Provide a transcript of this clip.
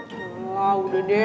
ya allah udah deh